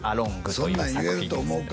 そんなん言えると思うか？